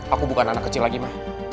aku bukan anak kecil lagi mah